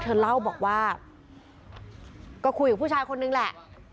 เธอเล่าบอกว่าก็คุยกับผู้ชายคนนึงแหละ